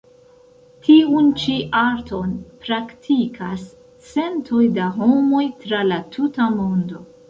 Tiun ĉi arton praktikas centoj da homoj tra la tuta mondo.